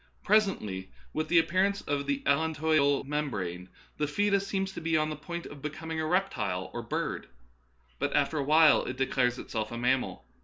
Pres ently, with the appearance of the allantoidal membrane, the foetus seems to be on the point of becoming a reptile or bird ; but after a while it declares itself a mammal.